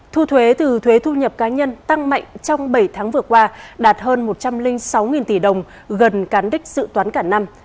thu thuế từ thuế thu nhập cá nhân tăng mạnh trong bảy tháng vừa qua đạt hơn một trăm linh sáu tỷ đồng gần cán đích dự toán cả năm